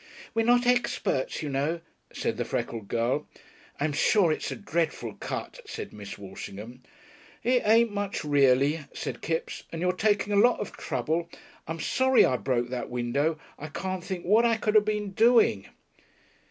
"We're not experts, you know," said the freckled girl. "I'm sure it's a dreadful cut," said Miss Walshingham. "It ain't much reely," said Kipps; "and you're taking a lot of trouble. I'm sorry I broke that window. I can't think what I could have been doing."